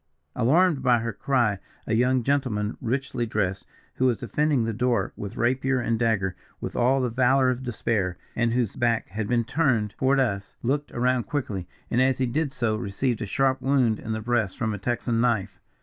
"Alarmed by her cry, a young gentleman richly dressed, who was defending the door, with rapier and dagger, with all the valour of despair, and whose back had been turned toward us, looked around quickly, and as he did so received a sharp wound in the breast from a Texan knife.